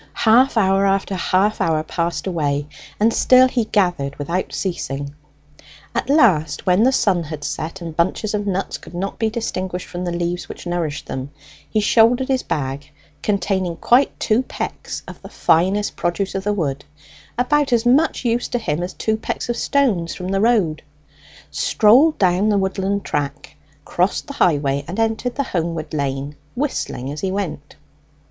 Half hour after half hour passed away, and still he gathered without ceasing. At last, when the sun had set, and bunches of nuts could not be distinguished from the leaves which nourished them, he shouldered his bag, containing quite two pecks of the finest produce of the wood, about as much use to him as two pecks of stones from the road, strolled down the woodland track, crossed the highway and entered the homeward lane, whistling as he went.